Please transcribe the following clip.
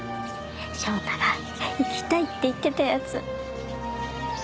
翔太が行きたいって言ってたやつ。